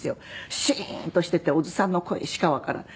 シーンとしていて小津さんの声しかわからない。